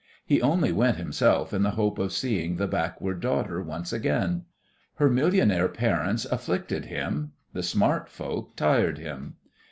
He only went himself in the hope of seeing the backward daughter once again. Her millionaire parents afflicted him, the smart folk tired him.